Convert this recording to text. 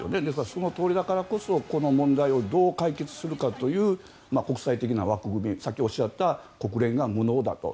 そのとおりだからこそこの問題をどう解決するかという国際的な枠組みさっきおっしゃった国連が無能だと。